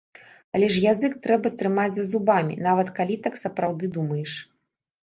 Але ж язык трэба трымаць за зубамі, нават калі так сапраўды думаеш.